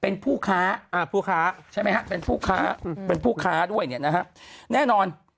เป็นผู้ค้าใช่ไหมฮะผู้ค้าด้วยนะฮะแน่นอน